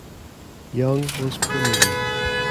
Young was cremated.